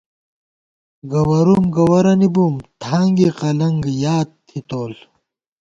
گوَرُوم گوَرَنی بُم، تھانگی قلنگ یاد تھی تول